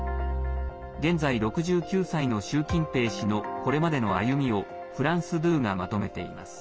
現在、６９歳の習近平氏のこれまでの歩みをフランス２がまとめています。